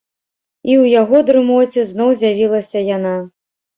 І ў яго дрымоце зноў з'явілася яна.